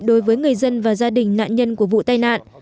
đối với người dân và các người dân